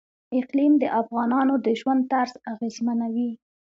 اقلیم د افغانانو د ژوند طرز اغېزمنوي.